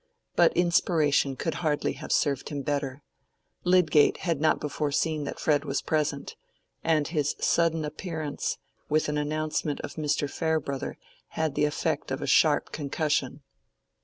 But inspiration could hardly have served him better. Lydgate had not before seen that Fred was present, and his sudden appearance with an announcement of Mr. Farebrother had the effect of a sharp concussion.